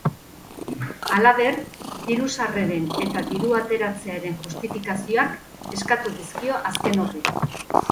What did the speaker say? Halaber, diru-sarreren eta dirua ateratzearen justifikazioak eskatu dizkio azken horri.